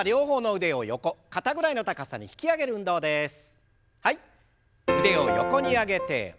腕を横に上げて戻して。